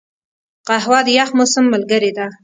قهوه د یخ موسم ملګرې ده